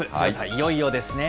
いよいよですね。